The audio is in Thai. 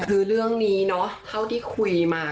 คือเรื่องนี้เนาะเท่าที่คุยมา